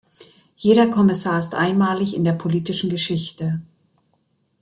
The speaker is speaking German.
Jeder Kommissar ist einmalig in der politischen Geschichte.